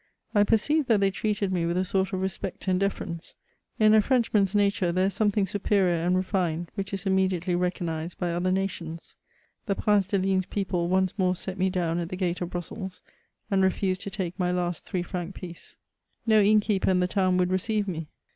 I perceived that they treated me with a sort of respect and deference; in a Frenchman's nature there is something superior and re^ed, which is immediately recognised by other nations. The Prince de ligne's peqple onee more set me down at the gate of Brussels, and refused to take my last three fraac pteee. No innke^r in the town would receive me.